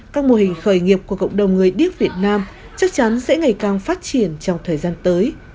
các mô hình khởi nghiệp của cộng đồng người điếc việt nam chắc chắn sẽ ngày càng phát triển trong thời gian tới